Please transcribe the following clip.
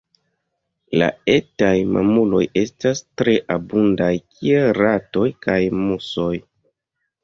La etaj mamuloj estas tre abundaj kiel ratoj kaj musoj.